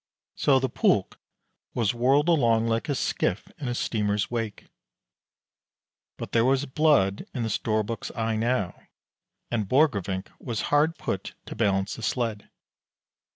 So the pulk was whirled along like a skiff in a steamer's wake; but there was blood in the Storbuk's eye now; and Borgrevinck was hard put to balance the sled.